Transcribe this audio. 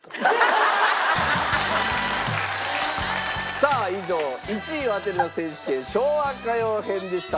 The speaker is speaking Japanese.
さあ以上１位を当てるな選手権昭和歌謡編でした。